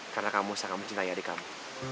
karena kamu sangat mencintai adik kamu